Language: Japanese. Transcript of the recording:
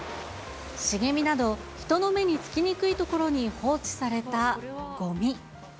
茂みなど、人の目につきにくい所に放置されたごみ。